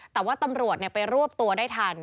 แต่ว่าตำรวจไปรวบตัวได้ทัน